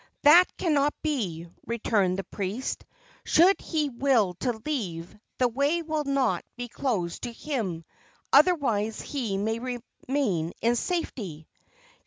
"That cannot be," returned the priest. "Should he will to leave, the way will not be closed to him; otherwise he may remain in safety."